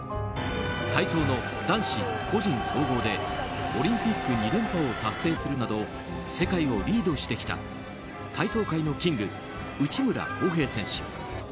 体操の男子個人総合でオリンピック２連覇を達成するなど世界をリードしてきた体操界のキング、内村航平選手。